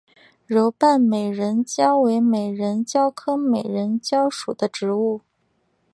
柔瓣美人蕉为美人蕉科美人蕉属的植物。